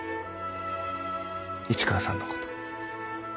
市川さんのことずっと。